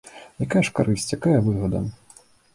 Якая ж карысць, якая выгада?